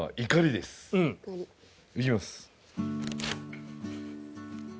いきます。